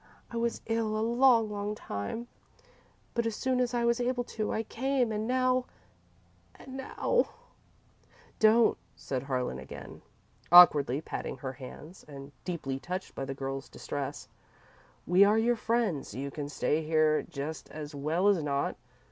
I was ill a long, long time, but as soon as I was able to, I came, and now and now " "Don't," said Harlan, again, awkwardly patting her hands, and deeply touched by the girl's distress. "We are your friends. You can stay here just as well as not.